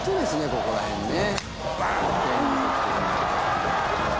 ここら辺ね。